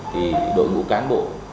thì đội ngũ cán bộ